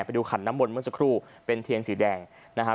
ไปดูขันน้ำมนต์เมื่อสักครู่เป็นเทียนสีแดงนะครับ